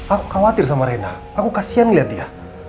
aku khawatir sama reina aku kasian liat dia